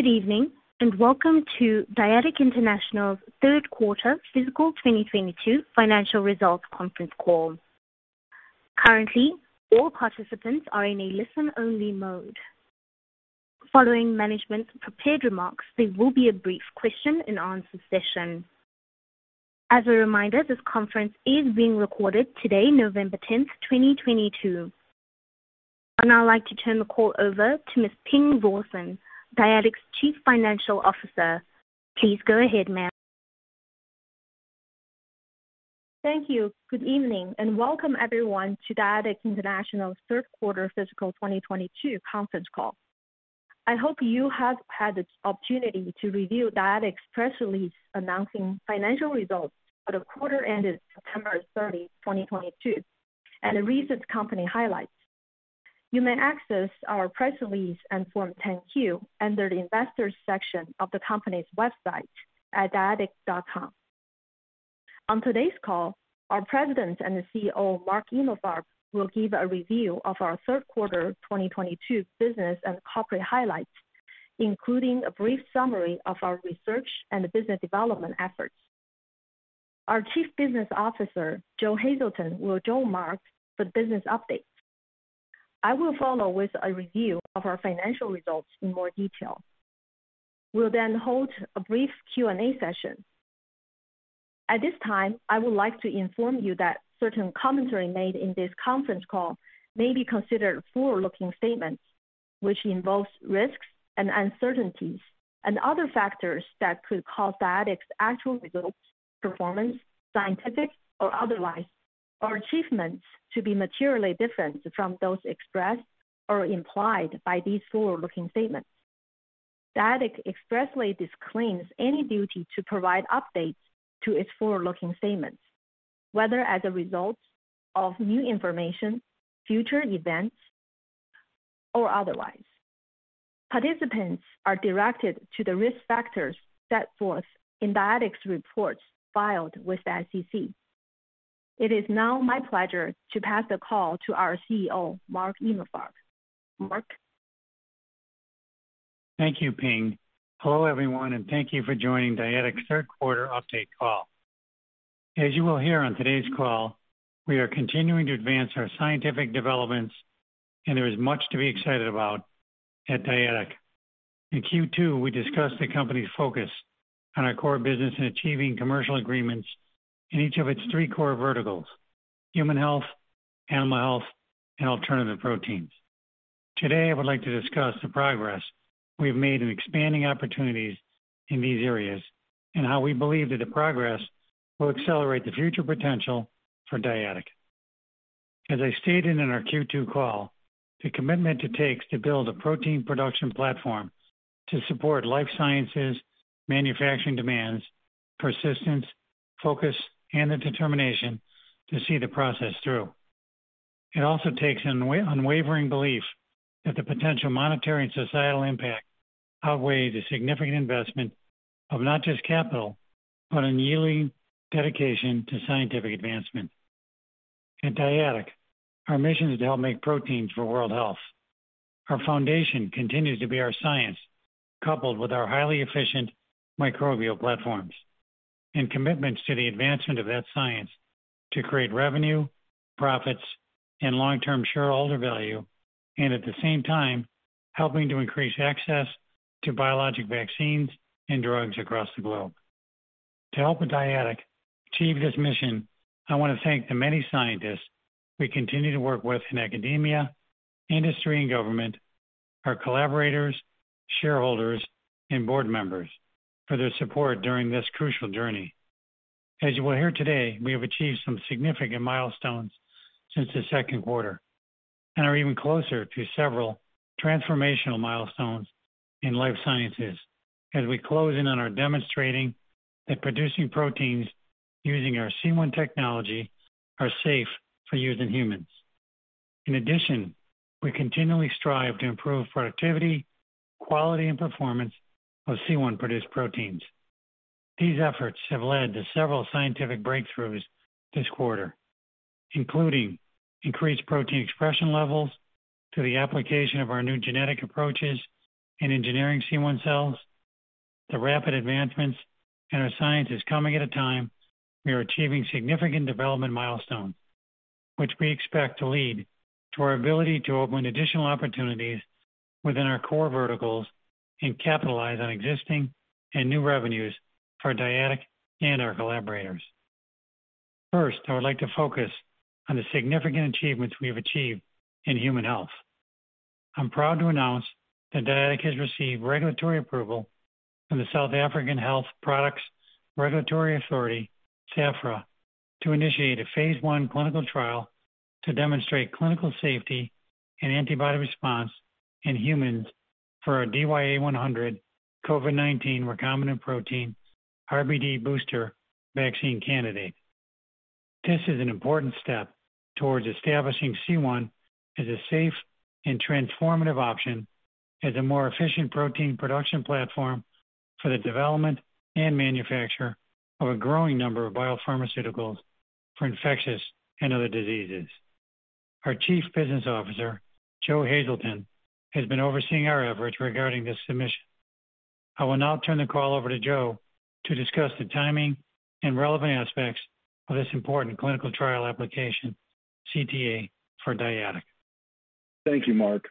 Good evening, and welcome to Dyadic International's Third Quarter Fiscal 2022 Financial Results Conference Call. Currently, all participants are in a listen-only mode. Following management's prepared remarks, there will be a brief question and answer session. As a reminder, this conference is being recorded today, November 10, 2022. I'd now like to turn the call over to Ms. Ping Rawson, Dyadic's Chief Financial Officer. Please go ahead, ma'am. Thank you. Good evening, and welcome everyone to Dyadic International's third quarter fiscal 2022 conference call. I hope you have had the opportunity to review Dyadic's press release announcing financial results for the quarter ended September 30, 2022 and the recent company highlights. You may access our press release and Form 10-Q under the Investors section of the company's website at dyadic.com. On today's call, our President and CEO, Mark Emalfarb, will give a review of our third quarter 2022 business and corporate highlights, including a brief summary of our research and business development efforts. Our Chief Business Officer, Joe Hazelton, will join Mark for the business update. I will follow with a review of our financial results in more detail. We'll then hold a brief Q&A session. At this time, I would like to inform you that certain commentary made in this conference call may be considered forward-looking statements, which involves risks and uncertainties and other factors that could cause Dyadic's actual results, performance, scientific or otherwise, or achievements to be materially different from those expressed or implied by these forward-looking statements. Dyadic expressly disclaims any duty to provide updates to its forward-looking statements, whether as a result of new information, future events, or otherwise. Participants are directed to the risk factors set forth in Dyadic's reports filed with the SEC. It is now my pleasure to pass the call to our CEO, Mark Emalfarb. Mark. Thank you, Ping. Hello, everyone, and thank you for joining Dyadic's third quarter update call. As you will hear on today's call, we are continuing to advance our scientific developments and there is much to be excited about at Dyadic. In Q2, we discussed the company's focus on our core business in achieving commercial agreements in each of its three core verticals: human health, animal health, and alternative proteins. Today, I would like to discuss the progress we've made in expanding opportunities in these areas and how we believe that the progress will accelerate the future potential for Dyadic. As I stated in our Q2 call, the commitment it takes to build a protein production platform to support life sciences manufacturing demands persistence, focus, and the determination to see the process through. It also takes an unwavering belief that the potential monetary and societal impact outweigh the significant investment of not just capital, but unyielding dedication to scientific advancement. At Dyadic, our mission is to help make proteins for world health. Our foundation continues to be our science, coupled with our highly efficient microbial platforms and commitments to the advancement of that science to create revenue, profits, and long-term shareholder value, and at the same time helping to increase access to biologic vaccines and drugs across the globe. To help with Dyadic achieve this mission, I want to thank the many scientists we continue to work with in academia, industry, and government, our collaborators, shareholders, and board members for their support during this crucial journey. As you will hear today, we have achieved some significant milestones since the second quarter and are even closer to several transformational milestones in life sciences as we close in on our demonstrating that producing proteins using our C1 technology are safe for use in humans. In addition, we continually strive to improve productivity, quality, and performance of C1-produced proteins. These efforts have led to several scientific breakthroughs this quarter, including increased protein expression levels through the application of our new genetic approaches in engineering C1 cells. The rapid advancements in our science is coming at a time we are achieving significant development milestones, which we expect to lead to our ability to open additional opportunities within our core verticals and capitalize on existing and new revenues for Dyadic and our collaborators. First, I would like to focus on the significant achievements we have achieved in human health. I'm proud to announce that Dyadic has received regulatory approval from the South African Health Products Regulatory Authority, SAHPRA, to initiate a phase I clinical trial to demonstrate clinical safety and antibody response in humans for our DYAI-100 COVID-19 recombinant protein RBD booster vaccine candidate. This is an important step towards establishing C1 as a safe and transformative option as a more efficient protein production platform for the development and manufacture of a growing number of biopharmaceuticals for infectious and other diseases. Our Chief Business Officer, Joe Hazelton, has been overseeing our efforts regarding this submission. I will now turn the call over to Joe to discuss the timing and relevant aspects of this important clinical trial application, CTA, for Dyadic. Thank you, Mark.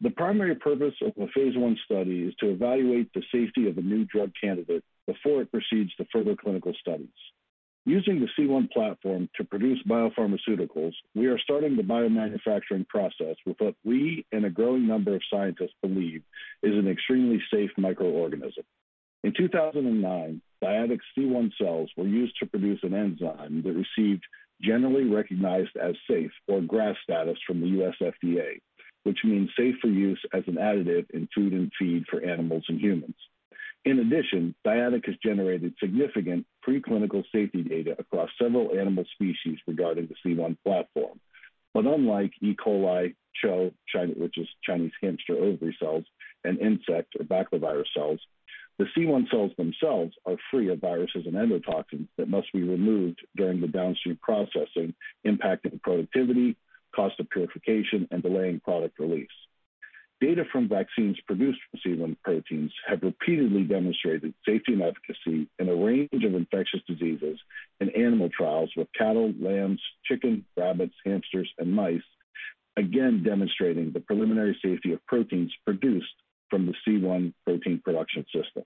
The primary purpose of a phase one study is to evaluate the safety of a new drug candidate before it proceeds to further clinical studies. Using the C1 platform to produce biopharmaceuticals, we are starting the biomanufacturing process with what we and a growing number of scientists believe is an extremely safe microorganism. In 2009, Dyadic's C1 cells were used to produce an enzyme that received generally recognized as safe or GRAS status from the U.S. FDA, which means safe for use as an additive in food and feed for animals and humans. In addition, Dyadic has generated significant preclinical safety data across several animal species regarding the C1 platform. Unlike E.coli, CHO, Chinese hamster ovary cells, and insect or baculovirus cells, the C1 cells themselves are free of viruses and endotoxins that must be removed during the downstream processing, impacting productivity, cost of purification, and delaying product release. Data from vaccines produced from C1 proteins have repeatedly demonstrated safety and efficacy in a range of infectious diseases in animal trials with cattle, lambs, chicken, rabbits, hamsters, and mice, again demonstrating the preliminary safety of proteins produced from the C1 protein production system.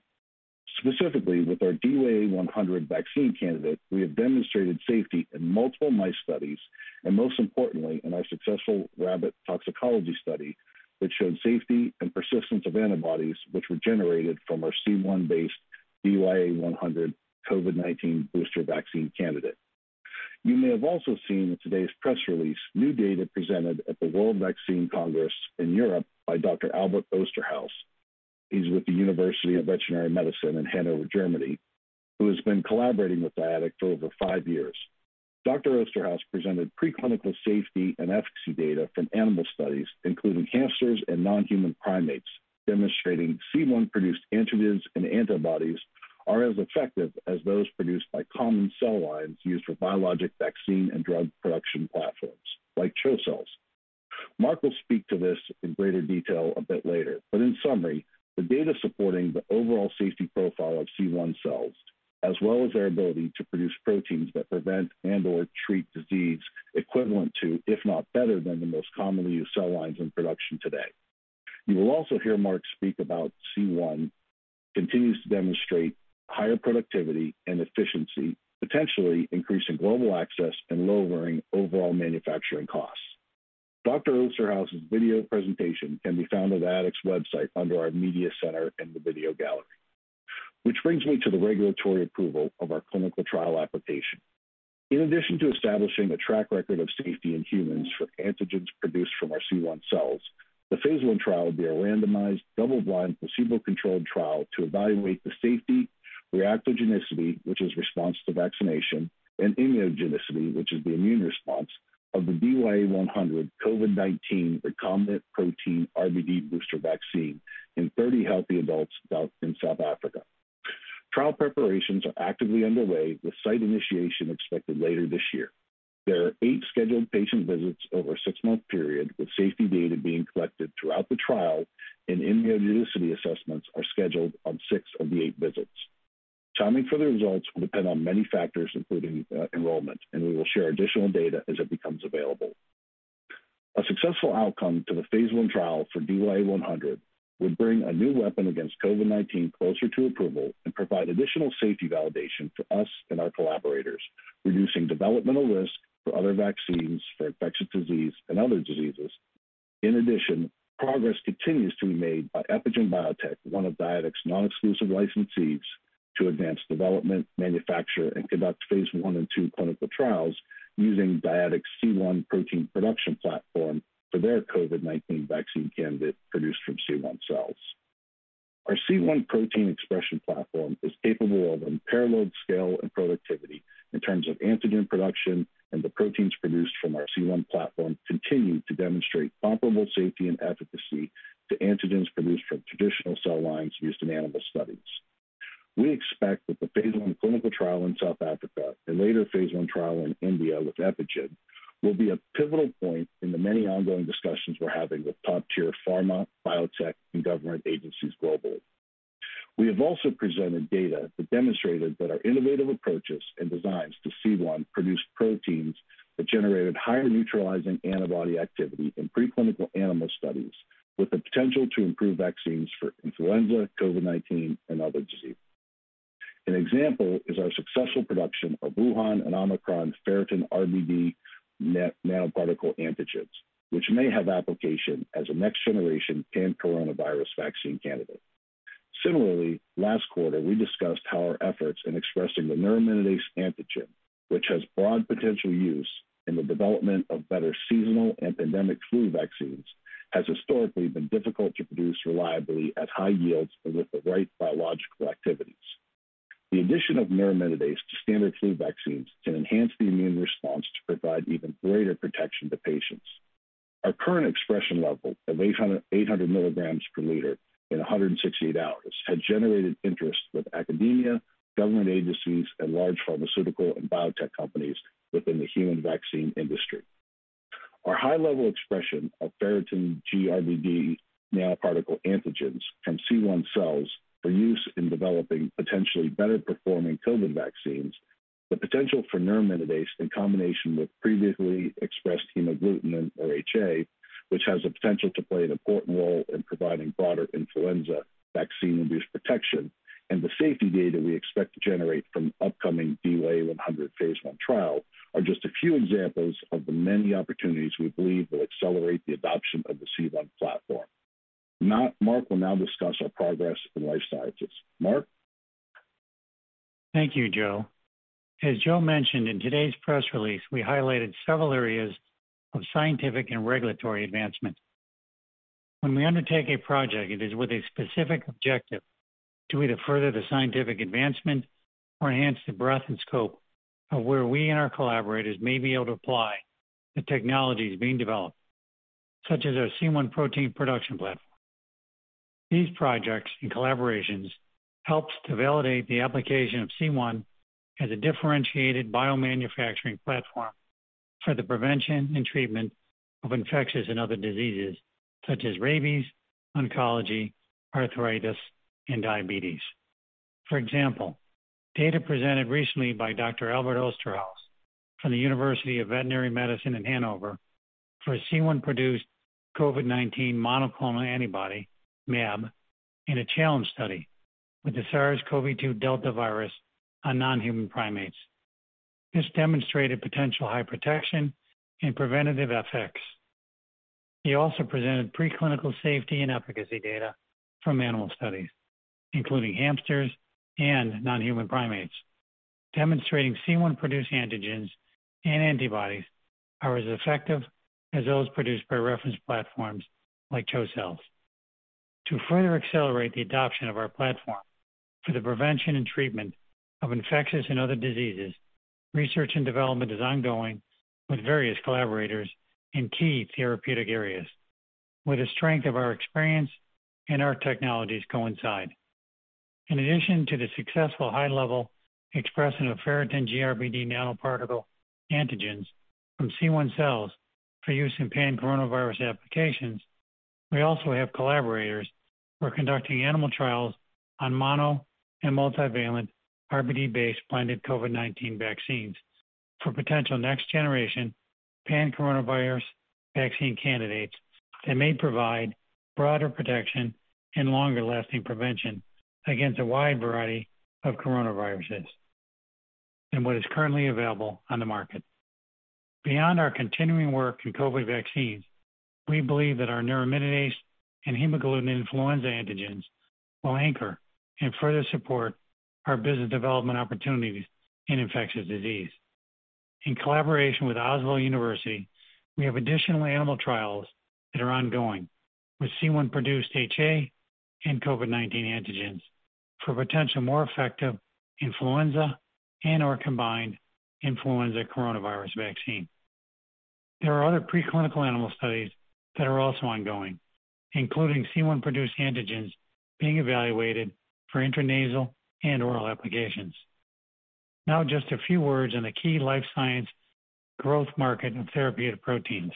Specifically, with our DYAI-100 vaccine candidate, we have demonstrated safety in multiple mice studies and most importantly, in our successful rabbit toxicology study, which showed safety and persistence of antibodies which were generated from our C1-based DYAI-100 COVID-19 booster vaccine candidate. You may have also seen in today's press release new data presented at the World Vaccine Congress Europe by Dr. Albert Osterhaus. He's with the University of Veterinary Medicine in Hannover, Germany, who has been collaborating with Dyadic for over five years. Dr. Osterhaus presented preclinical safety and efficacy data from animal studies, including hamsters and non-human primates, demonstrating C1-produced antigens and antibodies are as effective as those produced by common cell lines used for biologic vaccine and drug production platforms like CHO cells. Mark will speak to this in greater detail a bit later, but in summary, the data supporting the overall safety profile of C1 cells, as well as their ability to produce proteins that prevent and or treat disease equivalent to, if not better than, the most commonly used cell lines in production today. You will also hear Mark speak about C1 continues to demonstrate higher productivity and efficiency, potentially increasing global access and lowering overall manufacturing costs. Dr. Osterhaus's video presentation can be found at Dyadic's website under our media center in the video gallery. Which brings me to the regulatory approval of our clinical trial application. In addition to establishing a track record of safety in humans for antigens produced from our C1 cells, the phase I trial will be a randomized, double-blind, placebo-controlled trial to evaluate the safety reactogenicity, which is response to vaccination, and immunogenicity, which is the immune response of the DYAI-100 COVID-19 recombinant protein RBD booster vaccine in 30 healthy adults down in South Africa. Trial preparations are actively underway, with site initiation expected later this year. There are eight scheduled patient visits over a six-month period, with safety data being collected throughout the trial, and immunogenicity assessments are scheduled on six of the eight visits. Timing for the results will depend on many factors, including enrollment, and we will share additional data as it becomes available. A successful outcome to the phase I trial for DYAI-100 would bring a new weapon against COVID-19 closer to approval and provide additional safety validation for us and our collaborators, reducing developmental risk for other vaccines for infectious disease and other diseases. In addition, progress continues to be made by Epygen Biotech, one of Dyadic's non-exclusive licensees, to advance development, manufacture and conduct phase I and II clinical trials using Dyadic's C1 protein production platform for their COVID-19 vaccine candidate produced from C1 cells. Our C1 protein expression platform is capable of unparalleled scale and productivity in terms of antigen production, and the proteins produced from our C1 platform continue to demonstrate comparable safety and efficacy to antigens produced from traditional cell lines used in animal studies. We expect that the phase I clinical trial in South Africa and later phase I trial in India with Epygen will be a pivotal point in the many ongoing discussions we're having with top-tier pharma, biotech, and government agencies globally. We have also presented data that demonstrated that our innovative approaches and designs to C1 produced proteins that generated higher neutralizing antibody activity in preclinical animal studies with the potential to improve vaccines for influenza, COVID-19, and other diseases. An example is our successful production of Wuhan and Omicron ferritin GRBD nanoparticle antigens, which may have application as a next-generation pan-coronavirus vaccine candidate. Similarly, last quarter, we discussed how our efforts in expressing the neuraminidase antigen, which has broad potential use in the development of better seasonal and pandemic flu vaccines, has historically been difficult to produce reliably at high yields and with the right biological activities. The addition of neuraminidase to standard flu vaccines can enhance the immune response to provide even greater protection to patients. Our current expression level of 800 milligrams per liter in 168 hours has generated interest with academia, government agencies, and large pharmaceutical and biotech companies within the human vaccine industry. Our high-level expression of ferritin GRBD nanoparticle antigens from C1 cells for use in developing potentially better-performing COVID vaccines, the potential for neuraminidase in combination with previously expressed hemagglutinin or HA, which has the potential to play an important role in providing broader influenza vaccine-induced protection, and the safety data we expect to generate from upcoming DYAI-100 phase I trial are just a few examples of the many opportunities we believe will accelerate the adoption of the C1 platform. Now, Mark will now discuss our progress in life sciences. Mark? Thank you, Joe. As Joe mentioned in today's press release, we highlighted several areas of scientific and regulatory advancements. When we undertake a project, it is with a specific objective to either further the scientific advancement or enhance the breadth and scope of where we and our collaborators may be able to apply the technologies being developed, such as our C1 protein production platform. These projects and collaborations helps to validate the application of C1 as a differentiated biomanufacturing platform for the prevention and treatment of infectious and other diseases, such as rabies, oncology, arthritis, and diabetes. For example, data presented recently by Dr. Albert Osterhaus from the University of Veterinary Medicine Hannover for C1-produced COVID-19 monoclonal antibody, mAb, in a challenge study with the SARS-CoV-2 Delta virus on non-human primates. This demonstrated potential high protection and preventative effects. He also presented preclinical safety and efficacy data from animal studies, including hamsters and non-human primates, demonstrating C1-produced antigens and antibodies are as effective as those produced by reference platforms like CHO cells. To further accelerate the adoption of our platform for the prevention and treatment of infectious and other diseases, research and development is ongoing with various collaborators in key therapeutic areas where the strength of our experience and our technologies coincide. In addition to the successful high level expression of ferritin GRBD nanoparticle antigens from C1 cells for use in pan-coronavirus applications, we also have collaborators who are conducting animal trials on mono and multivalent RBD-based blended COVID-19 vaccines for potential next-generation pan-coronavirus vaccine candidates that may provide broader protection and longer-lasting prevention against a wide variety of coronaviruses than what is currently available on the market. Beyond our continuing work in COVID vaccines, we believe that our neuraminidase and hemagglutinin influenza antigens will anchor and further support our business development opportunities in infectious disease. In collaboration with University of Oslo, we have additional animal trials that are ongoing with C1-produced HA and COVID-19 antigens for potential more effective influenza and/or combined influenza coronavirus vaccine. There are other preclinical animal studies that are also ongoing, including C1-produced antigens being evaluated for intranasal and oral applications. Now just a few words on the key life science growth market in therapeutic proteins.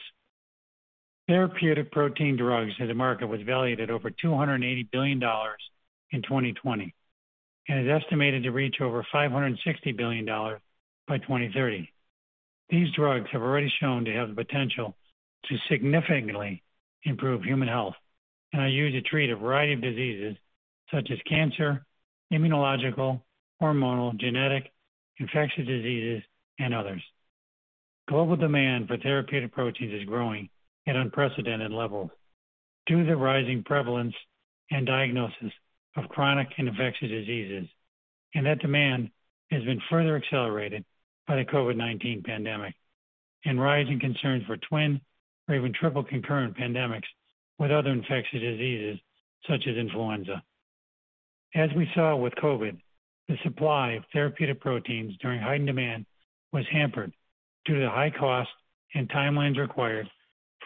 Therapeutic protein drugs in the market was valued at over $280 billion in 2020 and is estimated to reach over $560 billion by 2030. These drugs have already shown to have the potential to significantly improve human health and are used to treat a variety of diseases such as cancer, immunological, hormonal, genetic, infectious diseases, and others. Global demand for therapeutic proteins is growing at unprecedented levels due to the rising prevalence and diagnosis of chronic and infectious diseases, and that demand has been further accelerated by the COVID-19 pandemic and rising concerns for twin or even triple concurrent pandemics with other infectious diseases such as influenza. As we saw with COVID, the supply of therapeutic proteins during heightened demand was hampered due to the high cost and timelines required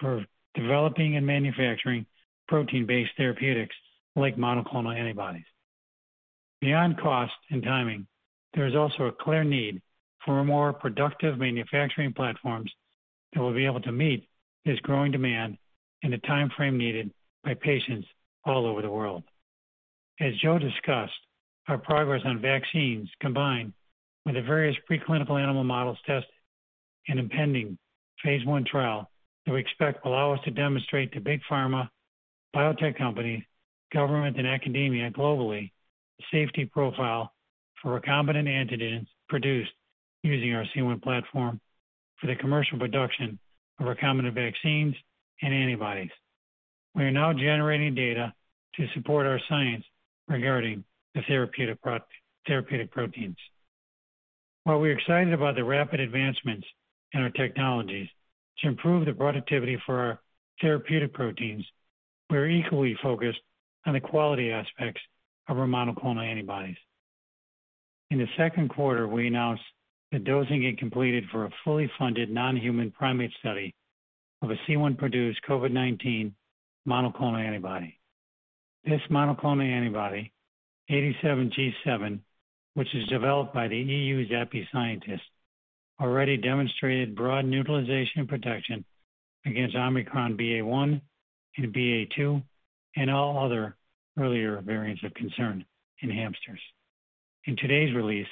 for developing and manufacturing protein-based therapeutics like monoclonal antibodies. Beyond cost and timing, there is also a clear need for more productive manufacturing platforms that will be able to meet this growing demand in the timeframe needed by patients all over the world. As Joe discussed, our progress on vaccines combined with the various preclinical animal models tested in impending phase one trial that we expect will allow us to demonstrate to big pharma, biotech companies, government, and academia globally the safety profile for recombinant antigens produced using our C1 platform for the commercial production of recombinant vaccines and antibodies. We are now generating data to support our science regarding the therapeutic proteins. While we're excited about the rapid advancements in our technologies to improve the productivity for our therapeutic proteins, we're equally focused on the quality aspects of our monoclonal antibodies. In the second quarter, we announced that dosing had completed for a fully-funded non-human primate study of a C1-produced COVID-19 monoclonal antibody. This monoclonal antibody, 87G7, which is developed by the EU's ZAPI scientists, already demonstrated broad neutralization protection against Omicron BA.1 and BA.2, and all other earlier variants of concern in hamsters. In today's release,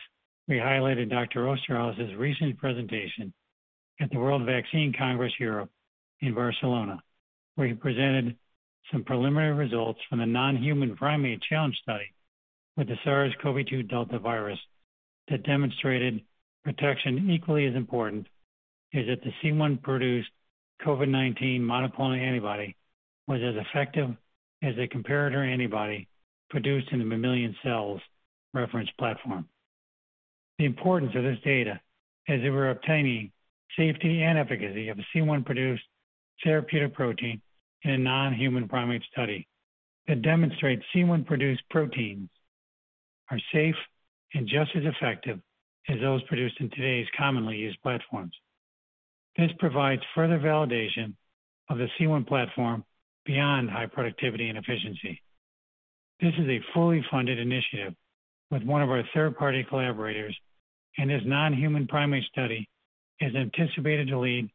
we highlighted Dr. Osterhaus's recent presentation at the World Vaccine Congress Europe in Barcelona, where he presented some preliminary results from the non-human primate challenge study with the SARS-CoV-2 Delta virus that demonstrated protection. Equally as important is that the C1-produced COVID-19 monoclonal antibody was as effective as a comparator antibody produced in the mammalian cells reference platform. The importance of this data is that we're obtaining safety and efficacy of a C1-produced therapeutic protein in a non-human primate study that demonstrates C1-produced proteins are safe and just as effective as those produced in today's commonly used platforms. This provides further validation of the C1 platform beyond high productivity and efficiency. This is a fully-funded initiative with one of our third-party collaborators, and this non-human primate study is anticipated to lead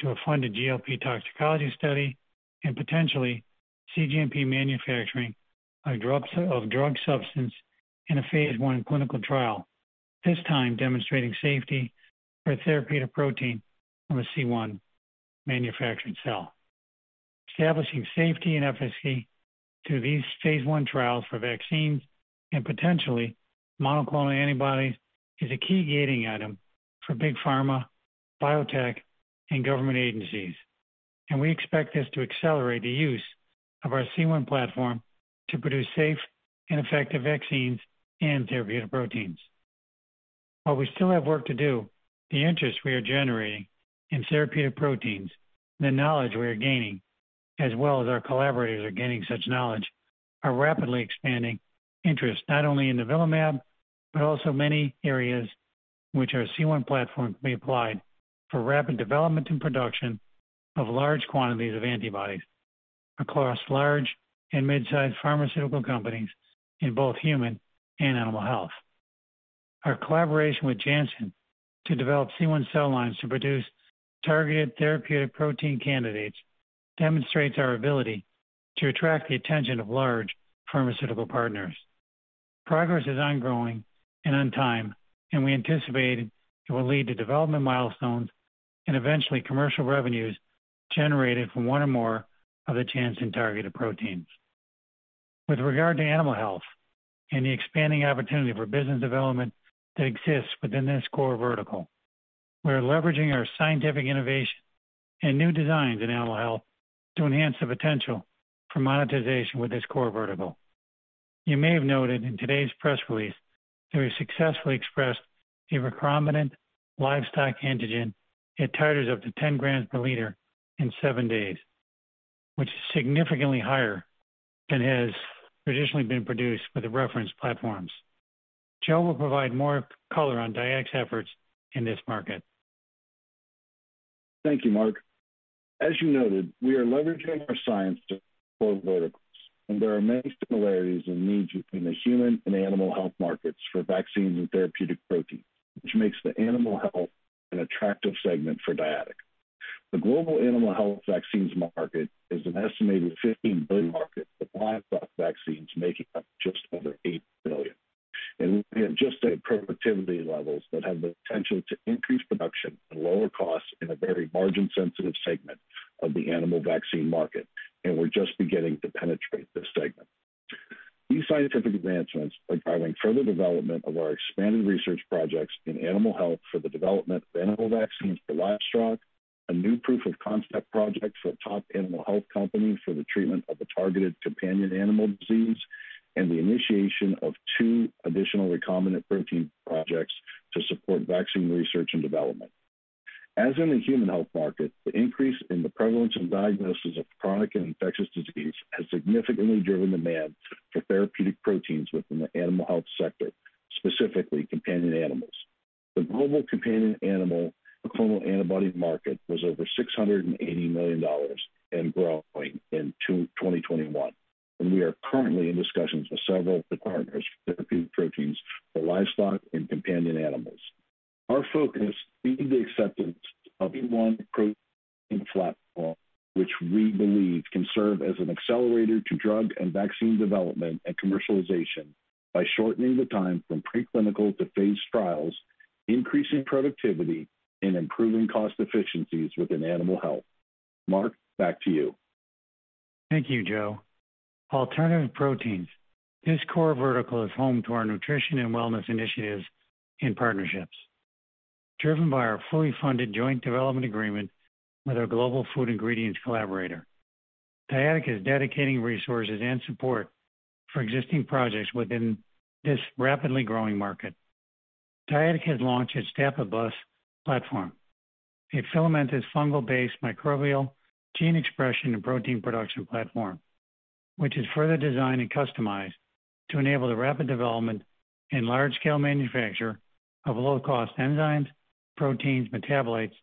to a funded GLP toxicology study and potentially cGMP manufacturing of drug substance in a phase one clinical trial, this time demonstrating safety for a therapeutic protein from a C1 manufacturing cell. Establishing safety and efficacy through these phase one trials for vaccines and potentially monoclonal antibodies is a key gating item for big pharma, biotech, and government agencies, and we expect this to accelerate the use of our C1 platform to produce safe and effective vaccines and therapeutic proteins. While we still have work to do, the interest we are generating in therapeutic proteins, the knowledge we are gaining, as well as our collaborators are gaining such knowledge, are rapidly expanding interest, not only in nivolumab, but also many areas in which our C1 platform can be applied for rapid development and production of large quantities of antibodies across large and mid-sized pharmaceutical companies in both human and animal health. Our collaboration with Janssen to develop C1 cell lines to produce targeted therapeutic protein candidates demonstrates our ability to attract the attention of large pharmaceutical partners. Progress is ongoing and on time, and we anticipate it will lead to development milestones and eventually commercial revenues generated from one or more of the Janssen-targeted proteins. With regard to animal health and the expanding opportunity for business development that exists within this core vertical, we are leveraging our scientific innovation and new designs in animal health to enhance the potential for monetization with this core vertical. You may have noted in today's press release that we successfully expressed a recombinant livestock antigen at titers up to 10 grams per liter in seven days, which is significantly higher than has traditionally been produced with the reference platforms. Joe will provide more color on Dyadic's efforts in this market. Thank you, Mark. As you noted, we are leveraging our science to core verticals, and there are many similarities and needs between the human and animal health markets for vaccines and therapeutic proteins, which makes the animal health an attractive segment for Dyadic. The global animal health vaccines market is an estimated $15 billion market, with livestock vaccines making up just under $8 billion. We have just the productivity levels that have the potential to increase production and lower costs in a very margin-sensitive segment of the animal vaccine market, and we're just beginning to penetrate this segment. These scientific advancements are driving further development of our expanded research projects in animal health for the development of animal vaccines for livestock, a new proof of concept project for a top animal health company for the treatment of a targeted companion animal disease, and the initiation of two additional recombinant protein projects to support vaccine research and development. As in the human health market, the increase in the prevalence and diagnosis of chronic and infectious disease has significantly driven demand for therapeutic proteins within the animal health sector, specifically companion animals. The global companion animal monoclonal antibodies market was over $680 million and growing in 2021, and we are currently in discussions with several partners for therapeutic proteins for livestock and companion animals. Our focus is the acceptance of C1 protein platform, which we believe can serve as an accelerator to drug and vaccine development and commercialization by shortening the time from pre-clinical to phase trials, increasing productivity, and improving cost efficiencies within animal health. Mark, back to you. Thank you, Joe. Alternative proteins. This core vertical is home to our nutrition and wellness initiatives and partnerships. Driven by our fully-funded joint development agreement with our global food ingredients collaborator, Dyadic is dedicating resources and support for existing projects within this rapidly growing market. Dyadic has launched its Dapibus platform. A filamentous fungal-based microbial gene expression and protein production platform, which is further designed and customized to enable the rapid development and large scale manufacture of low cost enzymes, proteins, metabolites,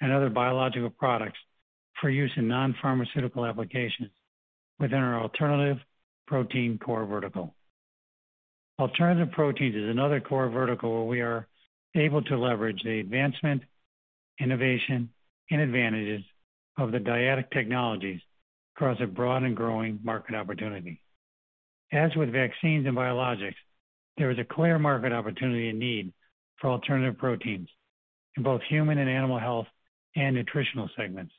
and other biological products for use in non-pharmaceutical applications within our alternative protein core vertical. Alternative proteins is another core vertical where we are able to leverage the advancement, innovation and advantages of the Dyadic technologies across a broad and growing market opportunity. As with vaccines and biologics, there is a clear market opportunity and need for alternative proteins in both human and animal health and nutritional segments.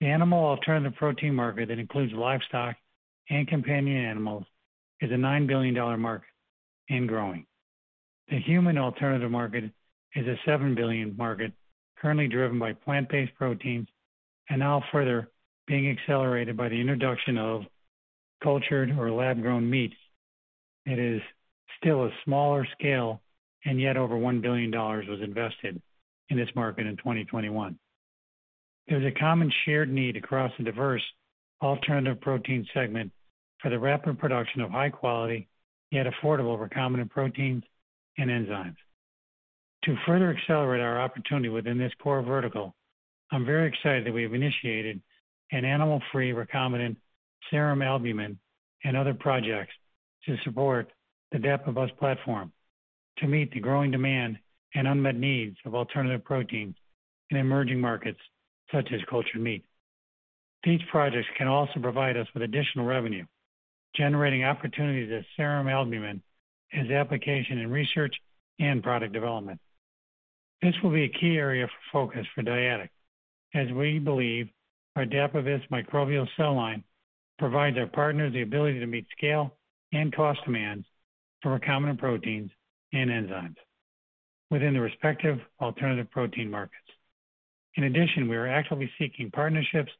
The animal alternative protein market that includes livestock and companion animals is a $9 billion market and growing. The human alternative market is a $7 billion market currently driven by plant-based proteins and now further being accelerated by the introduction of cultured or lab-grown meat. It is still a smaller scale, and yet over $1 billion was invested in this market in 2021. There's a common shared need across the diverse alternative protein segment for the rapid production of high quality yet affordable recombinant proteins and enzymes. To further accelerate our opportunity within this core vertical, I'm very excited that we have initiated an animal-free recombinant serum albumin and other projects to support the Dapibus platform to meet the growing demand and unmet needs of alternative proteins in emerging markets such as cultured meat. These projects can also provide us with additional revenue, generating opportunities as serum albumin has application in research and product development. This will be a key area of focus for Dyadic, as we believe our Dapibus microbial cell line provides our partners the ability to meet scale and cost demands for recombinant proteins and enzymes within the respective alternative protein markets. In addition, we are actively seeking partnerships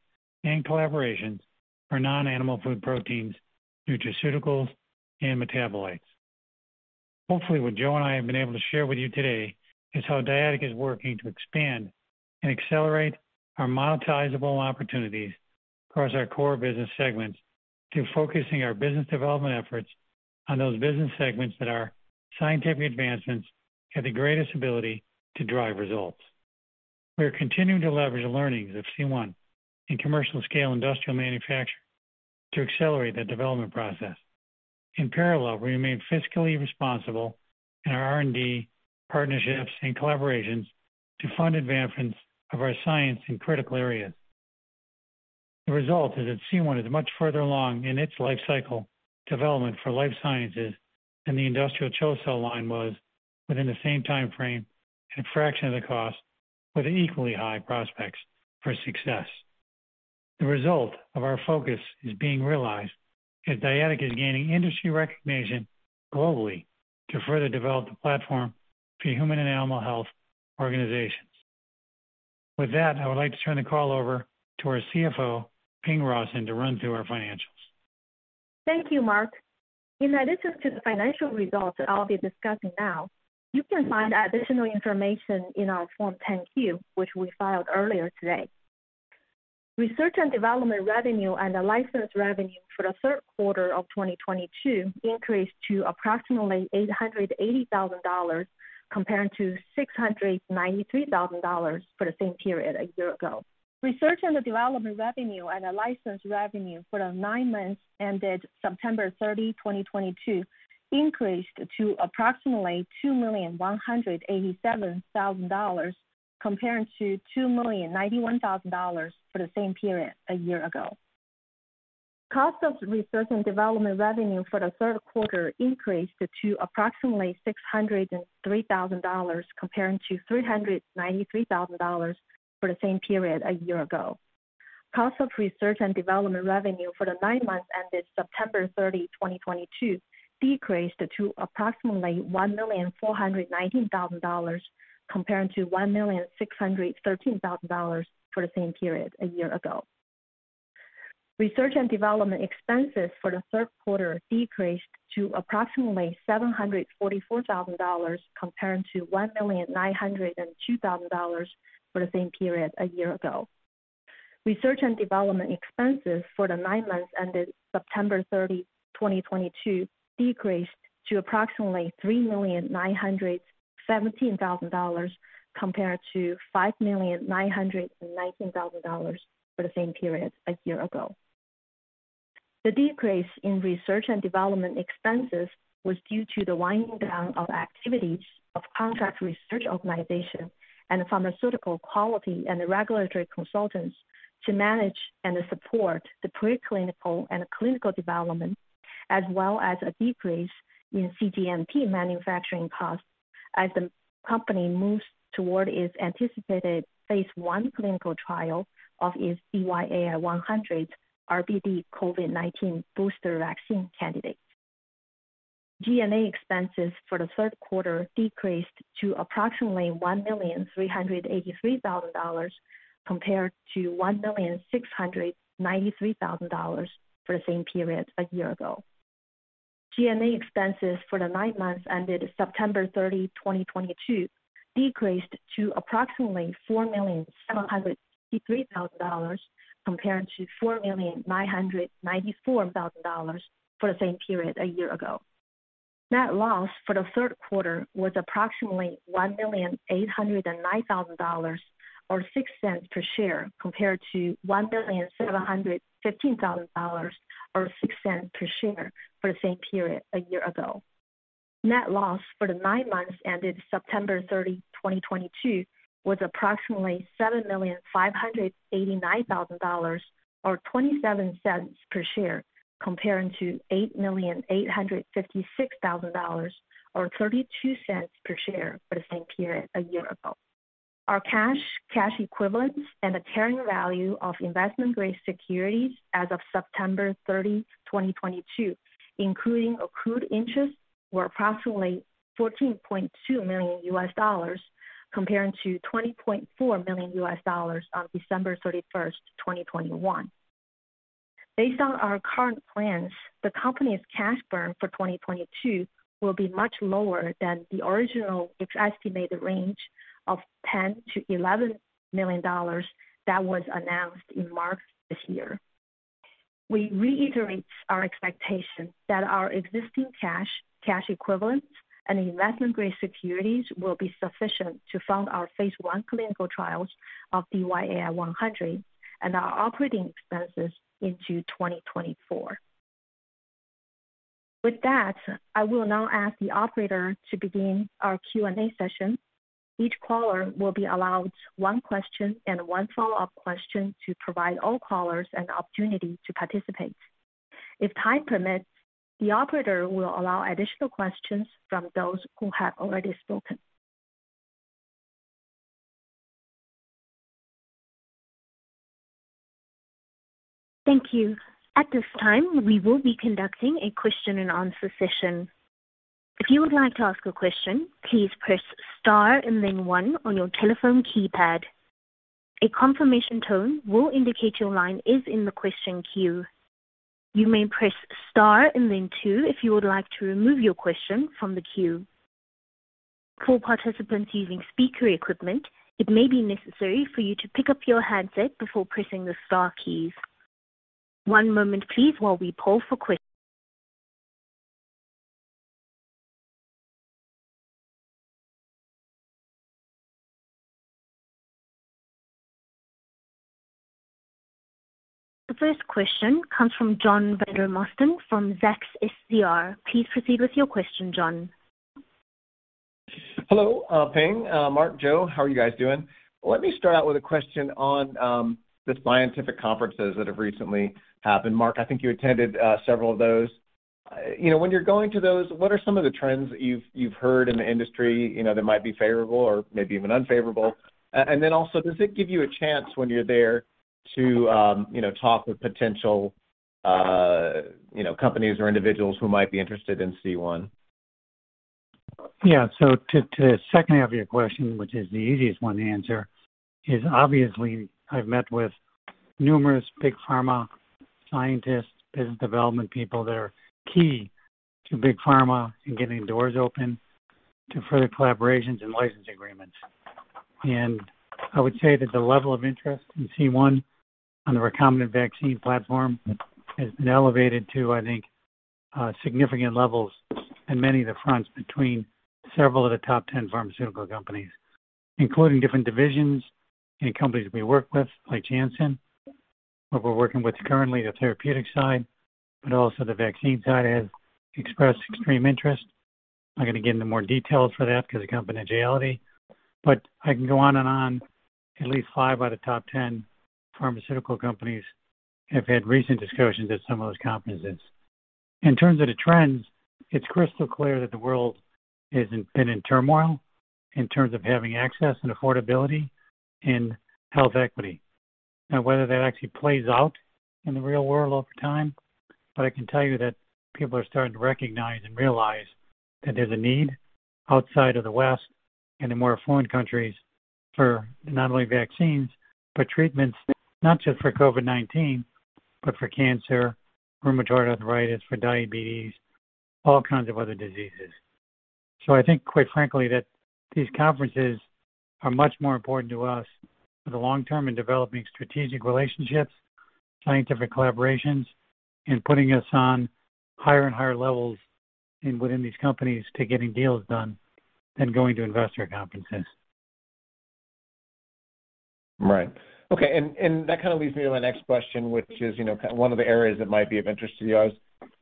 and collaborations for non-animal food proteins, nutraceuticals and metabolites. Hopefully, what Joe and I have been able to share with you today is how Dyadic is working to expand and accelerate our monetizable opportunities across our core business segments through focusing our business development efforts on those business segments that our scientific advancements have the greatest ability to drive results. We are continuing to leverage the learnings of C1 in commercial scale industrial manufacture to accelerate the development process. In parallel, we remain fiscally responsible in our R&D partnerships and collaborations to fund advancements of our science in critical areas. The result is that C1 is much further along in its life cycle development for life sciences than the industrial CHO cell line was within the same time frame at a fraction of the cost with equally high prospects for success. The result of our focus is being realized as Dyadic is gaining industry recognition globally to further develop the platform for human and animal health organizations. With that, I would like to turn the call over to our CFO, Ping Rawson, to run through our financials. Thank you, Mark. In addition to the financial results that I'll be discussing now, you can find additional information in our Form 10-Q, which we filed earlier today. Research and development revenue and the license revenue for the third quarter of 2022 increased to approximately $880,000 compared to $693,000 for the same period a year ago. Research and development revenue and the license revenue for the nine months ended September 30, 2022 increased to approximately $2,187,000 compared to $2,091,000 for the same period a year ago. Cost of research and development revenue for the third quarter increased to approximately $603,000 compared to $393,000 for the same period a year ago. Cost of research and development revenue for the nine months ended September 30, 2022 decreased to approximately $1,419,000 compared to $1,613,000 for the same period a year ago. Research and development expenses for the third quarter decreased to approximately $744,000 compared to $1,902,000 for the same period a year ago. Research and development expenses for the nine months ended September 30, 2022 decreased to approximately $3,917,000 compared to $5,919,000 for the same period a year ago. The decrease in research and development expenses was due to the winding down of activities of contract research organization and pharmaceutical quality and regulatory consultants to manage and support the preclinical and clinical development, as well as a decrease in cGMP manufacturing costs as the company moves toward its anticipated phase I clinical trial of its DYAI-100 RBD COVID-19 booster vaccine candidate. G&A expenses for the third quarter decreased to approximately $1.383 million compared to $1.693 million for the same period a year ago. G&A expenses for the nine months ended September 30, 2022 decreased to approximately $4.753 million compared to $4.994 million for the same period a year ago. Net loss for the third quarter was approximately $1.809 million, or $0.06 per share, compared to $1.715 million or $0.06 per share for the same period a year ago. Net loss for the nine months ended September 30, 2022 was approximately $7.589 million, or $0.27 per share, compared to $8.856 million or $0.32 per share for the same period a year ago. Our cash equivalents, and the carrying value of investment-grade securities as of September 30, 2022, including accrued interest, were approximately $14.2 million compared to $20.4 million on December 31, 2021. Based on our current plans, the company's cash burn for 2022 will be much lower than the original estimated range of $10-$11 million that was announced in March this year. We reiterate our expectation that our existing cash equivalents, and investment-grade securities will be sufficient to fund our phase one clinical trials of DYAI-100 and our operating expenses into 2024. With that, I will now ask the operator to begin our Q&A session. Each caller will be allowed one question and one follow-up question to provide all callers an opportunity to participate. If time permits, the operator will allow additional questions from those who have already spoken. Thank you. At this time, we will be conducting a question and answer session. If you would like to ask a question, please press star and then one on your telephone keypad. A confirmation tone will indicate your line is in the question queue. You may press star and then two if you would like to remove your question from the queue. For participants using speaker equipment, it may be necessary for you to pick up your handset before pressing the star keys. One moment please while we poll for questions. The first question comes from John Vandermosten from Zacks SCR. Please proceed with your question, John. Hello, Ping. Mark, Joe, how are you guys doing? Let me start out with a question on the scientific conferences that have recently happened. Mark, I think you attended several of those. You know, when you're going to those, what are some of the trends that you've heard in the industry, you know, that might be favorable or maybe even unfavorable? And then also, does it give you a chance when you're there to, you know, talk with potential, you know, companies or individuals who might be interested in C1? Yeah. To the second half of your question, which is the easiest one to answer, is obviously I've met with numerous big pharma scientists, business development people that are key to big pharma in getting doors open to further collaborations and license agreements. I would say that the level of interest in C1 on the recombinant vaccine platform has been elevated to, I think, significant levels in many of the fronts between several of the top 10 pharmaceutical companies, including different divisions in companies we work with, like Janssen, where we're working with currently the therapeutic side, but also the vaccine side has expressed extreme interest. I'm not going to get into more details for that because of confidentiality, but I can go on and on. At least five out of the top 10 pharmaceutical companies have had recent discussions at some of those conferences. In terms of the trends, it's crystal clear that the world has been in turmoil in terms of having access and affordability in health equity. Now, whether that actually plays out in the real world over time, but I can tell you that people are starting to recognize and realize that there's a need outside of the West and in more affluent countries for not only vaccines, but treatments, not just for COVID-19, but for cancer, rheumatoid arthritis, for diabetes, all kinds of other diseases. I think, quite frankly, that these conferences are much more important to us for the long term in developing strategic relationships, scientific collaborations, and putting us on higher and higher levels within these companies to getting deals done than going to investor conferences. Right. Okay. that kind of leads me to my next question, which is, you know, one of the areas that might be of interest to you guys.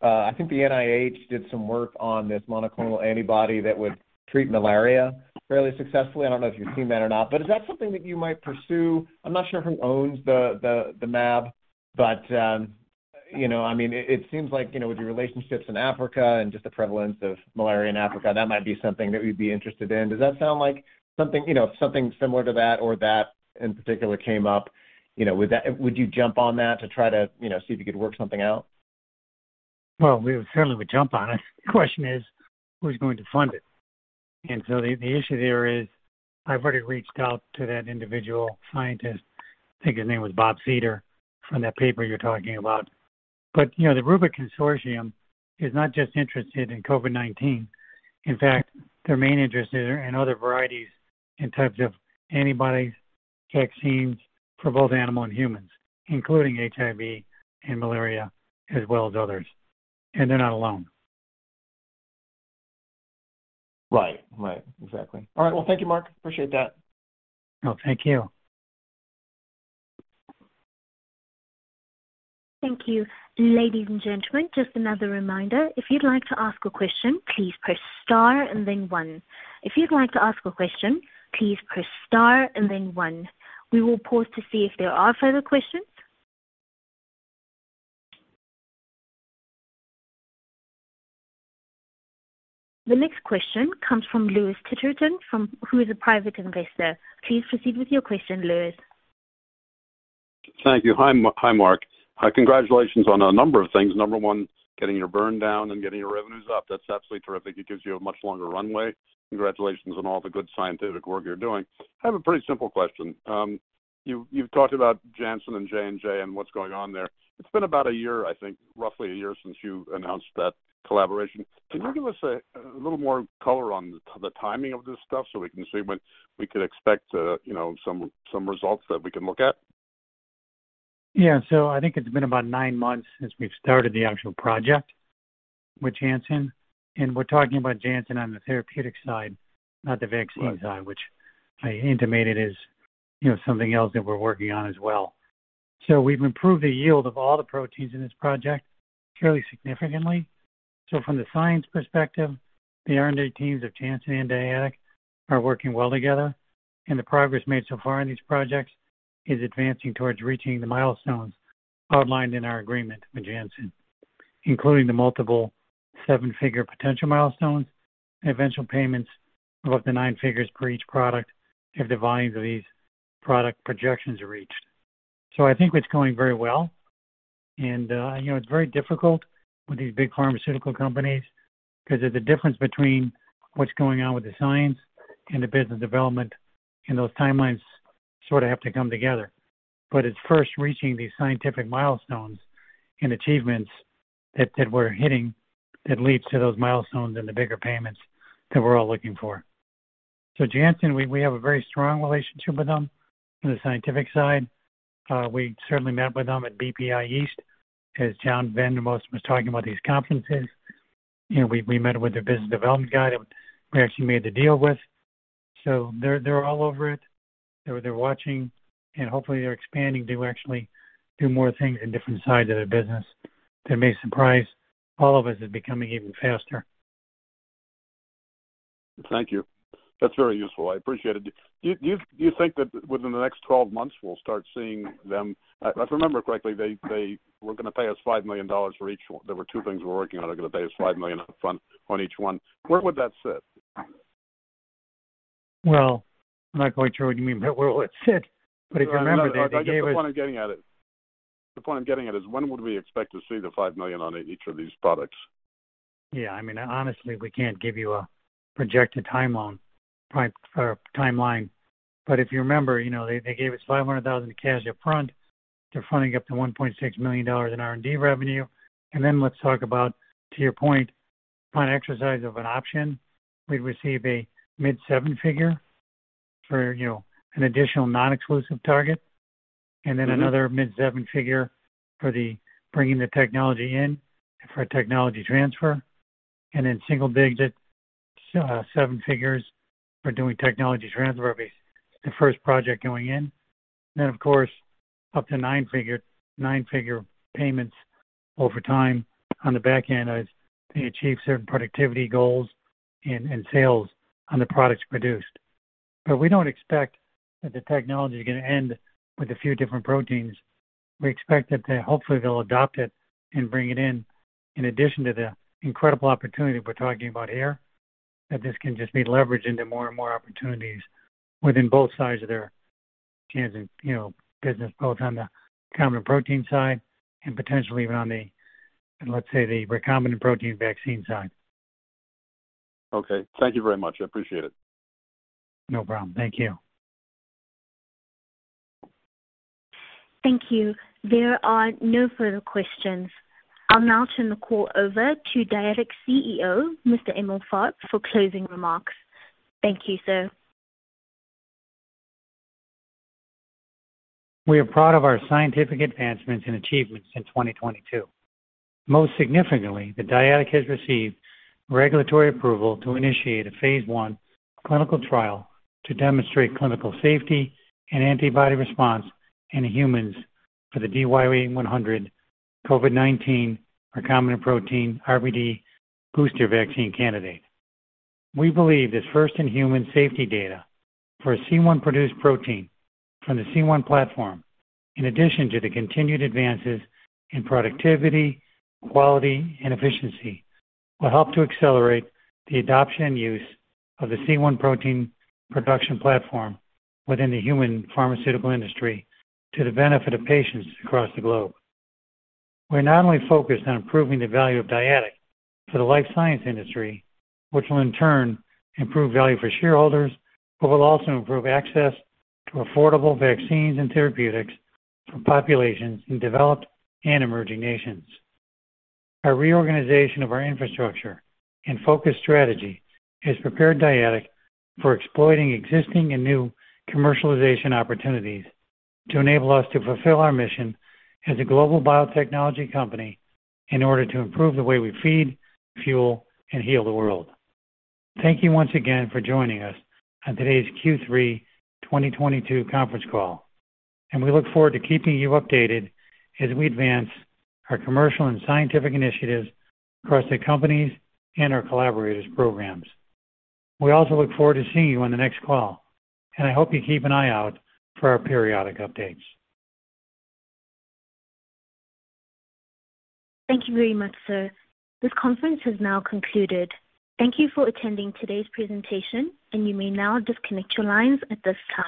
I think the NIH did some work on this monoclonal antibody that would treat malaria fairly successfully. I don't know if you've seen that or not, but is that something that you might pursue? I'm not sure who owns the mAb, but you know, I mean, it seems like, you know, with your relationships in Africa and just the prevalence of malaria in Africa, that might be something that we'd be interested in. Does that sound like something? You know, if something similar to that or that in particular came up, you know, would you jump on that to try to, you know, see if you could work something out? Well, we certainly would jump on it. The question is, who's going to fund it? The issue there is I've already reached out to that individual scientist, I think his name was Bob Seder, from that paper you're talking about. You know, the Rubic Consortium is not just interested in COVID-19. In fact, their main interest is in other varieties and types of antibodies, vaccines for both animal and humans, including HIV and malaria, as well as others. They're not alone. Right. Right. Exactly. All right. Well, thank you, Mark. Appreciate that. No, thank you. Thank you. Ladies and gentlemen, just another reminder. If you'd like to ask a question, please press star and then one. We will pause to see if there are further questions. The next question comes from Lewis Titterton from, who is a private investor. Please proceed with your question, Lewis. Thank you. Hi, Mark. Congratulations on a number of things. Number one, getting your burn down and getting your revenues up. That's absolutely terrific. It gives you a much longer runway. Congratulations on all the good scientific work you're doing. I have a pretty simple question. You've talked about Janssen and J&J and what's going on there. It's been about a year, I think, roughly a year, since you announced that collaboration. Can you give us a little more color on the timing of this stuff so we can see when we could expect, you know, some results that we can look at? Yeah. I think it's been about nine months since we've started the actual project with Janssen, and we're talking about Janssen on the therapeutic side, not the vaccine side. Right. which I intimated is, you know, something else that we're working on as well. We've improved the yield of all the proteins in this project fairly significantly. From the science perspective, the R&D teams of Janssen and Dyadic are working well together, and the progress made so far on these projects is advancing towards reaching the milestones outlined in our agreement with Janssen, including the multiple seven-figure potential milestones and eventual payments of up to nine figures for each product if the volumes of these product projections are reached. I think it's going very well. You know, it's very difficult with these big pharmaceutical companies 'cause there's a difference between what's going on with the science and the business development, and those timelines sort of have to come together. It's first reaching these scientific milestones and achievements that we're hitting that leads to those milestones and the bigger payments that we're all looking for. Janssen, we have a very strong relationship with them on the scientific side. We certainly met with them at BPI East as John Vandermosten was talking about these conferences. You know, we met with their business development guy that we actually made the deal with. They're all over it. They're watching, and hopefully they're expanding to actually do more things in different sides of their business. They may surprise all of us at becoming even faster. Thank you. That's very useful. I appreciate it. Do you think that within the next 12 months we'll start seeing them? If I remember correctly, they were gonna pay us $5 million for each one. There were two things we're working on. They're gonna pay us $5 million up front on each one. Where would that sit? Well, I'm not quite sure what you mean by where will it sit, but if you remember that they gave us. The point I'm getting at is when would we expect to see the $5 million on each of these products? Yeah. I mean, honestly, we can't give you a projected timeline. If you remember, you know, they gave us $500,000 cash up front. They're funding up to $1.6 million in R&D revenue. Then let's talk about, to your point, on exercise of an option, we'd receive a mid-seven-figure for, you know, an additional non-exclusive target. Another mid-seven figure for the bringing the technology in for a technology transfer, and then single-digit seven-figures for doing technology transfer of the first project going in. Of course up to nine-figure payments over time on the back end as they achieve certain productivity goals and sales on the products produced. We don't expect that the technology is gonna end with a few different proteins. We expect that they, hopefully they'll adopt it and bring it in addition to the incredible opportunity we're talking about here, that this can just be leveraged into more and more opportunities within both sides of their Janssen, you know, business, both on the recombinant protein side and potentially around the, let's say, the recombinant protein vaccine side. Okay. Thank you very much. I appreciate it. No problem. Thank you. Thank you. There are no further questions. I'll now turn the call over to Dyadic CEO, Mr. Mark Emalfarb, for closing remarks. Thank you, sir. We are proud of our scientific advancements and achievements in 2022. Most significantly, that Dyadic has received regulatory approval to initiate a phase I clinical trial to demonstrate clinical safety and antibody response in humans for the DYAI-100 COVID-19 recombinant protein RBD booster vaccine candidate. We believe this first in human safety data for a C1 produced protein from the C1 platform, in addition to the continued advances in productivity, quality, and efficiency, will help to accelerate the adoption and use of the C1 protein production platform within the human pharmaceutical industry to the benefit of patients across the globe. We're not only focused on improving the value of Dyadic for the life science industry, which will in turn improve value for shareholders, but will also improve access to affordable vaccines and therapeutics for populations in developed and emerging nations. Our reorganization of our infrastructure and focused strategy has prepared Dyadic for exploiting existing and new commercialization opportunities to enable us to fulfill our mission as a global biotechnology company in order to improve the way we feed, fuel, and heal the world. Thank you once again for joining us on today's Q3 2022 conference call, and we look forward to keeping you updated as we advance our commercial and scientific initiatives across the company's and our collaborators' programs. We also look forward to seeing you on the next call, and I hope you keep an eye out for our periodic updates. Thank you very much, sir. This conference has now concluded. Thank you for attending today's presentation, and you may now disconnect your lines at this time.